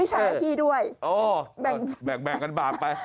วิชะพี่ด้วยแบ่งแบ่งกันบาปไป